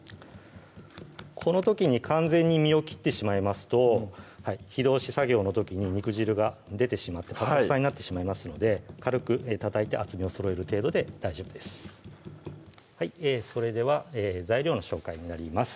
この時に完全に身を切ってしまいますと火通し作業の時に肉汁が出てしまってパサパサになってしまいますので軽くたたいて厚みをそろえる程度で大丈夫ですそれでは材料の紹介になります